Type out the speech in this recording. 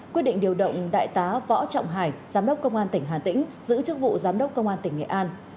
quyết định điều động đại tá võ trọng hải giám đốc công an tỉnh hà tĩnh giữ chức vụ giám đốc công an tỉnh nghệ an